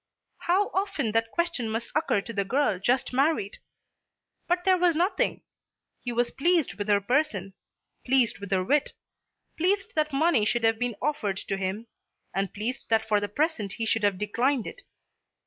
How often that question must occur to the girl just married. But there was nothing. He was pleased with her person; pleased with her wit; pleased that money should have been offered to him, and pleased that for the present he should have declined it.